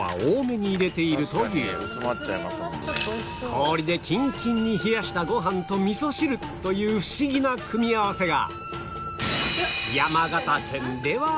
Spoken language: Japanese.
氷でキンキンに冷やしたご飯と味噌汁というフシギな組み合わせが